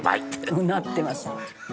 「うなってますね」